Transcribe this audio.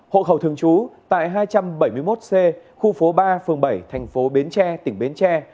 hộ khẩu thường trú tại hai trăm bảy mươi một c khu phố ba phường bảy thành phố bến tre tỉnh bến tre